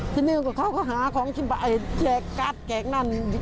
ทีนี้เขาก็หาของแจกการ์ดแจกนั่น